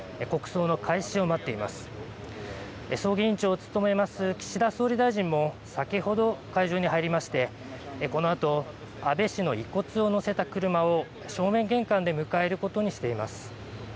葬儀委員長を務める岸田総理大臣も先ほど、会場に入りまして、このあと安倍氏の遺骨を乗せた車を正面玄関で迎えることにしています。